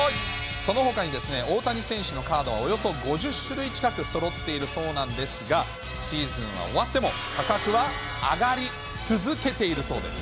そのほかに、大谷選手のカードはおよそ５０種類近くそろっているそうなんですが、シーズンが終わっても価格は上がり続けているそうです。